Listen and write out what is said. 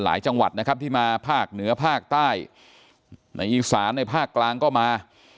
จังหวัดนะครับที่มาภาคเหนือภาคใต้ในอีสานในภาคกลางก็มา